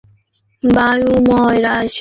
এতো প্রবল বায়ুময় রজনী আসেনি।